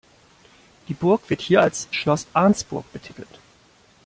Die Burg wird hier als "Schloß Arnsburg" betitelt.